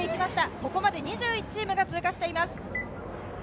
ここまで２１チームが通過しています。